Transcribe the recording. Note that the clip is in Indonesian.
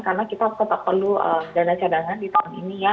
karena kita tetap perlu dana cadangan di tahun ini ya